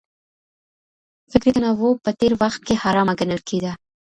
فکري تنوع په تېر وخت کي حرامه ګڼل کېده.